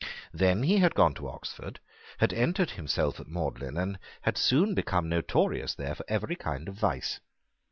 Then he had gone to Oxford, had entered himself at Magdalene, and had soon become notorious there for every kind of vice.